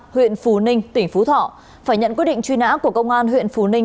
huyện phù ninh tỉnh phú thọ phải nhận quyết định truy nã của công an huyện phù ninh